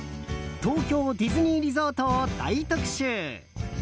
東京ディズニーリゾートを大特集！